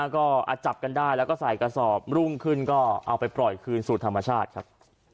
ก็จับกันได้แล้วก็ใส่กระสอบรุ่งขึ้นก็เอาไปปล่อยคืนสู่ธรรมชาติครับ